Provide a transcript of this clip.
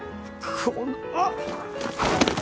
この。